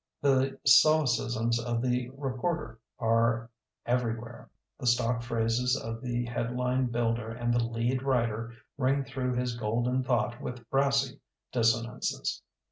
The solecisms of the reporter are every where. The stock phrases of the head line builder and the "lead" writer ring through his golden thought with brassy dissonances.